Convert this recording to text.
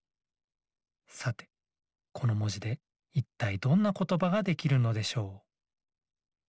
さてこのもじでいったいどんなことばができるのでしょう？